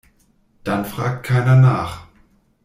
Dann fragt keiner nach.